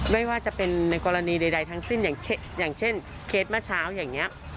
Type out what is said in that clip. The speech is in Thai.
ไม่ว่าจะเป็นในกรณีใดทั้งสิ้นอย่างเช่นเคสเมื่อเช้าอย่างนี้